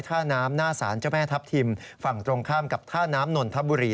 ท่าน้ำหน้าสารเจ้าแม่ทัพทิมฝั่งตรงข้ามกับท่าน้ำนนทบุรี